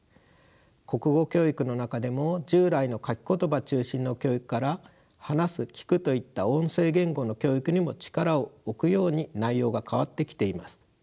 国語教育の中でも従来の書き言葉中心の教育から話す聞くといった音声言語の教育にも力を置くように内容が変わってきています。